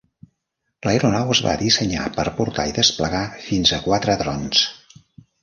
L'aeronau es va dissenyar per portar i desplegar fins a quatre drons.